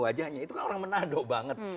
wajahnya itu kan orang menado banget